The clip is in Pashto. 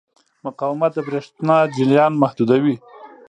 مقاومت د برېښنا جریان محدودوي.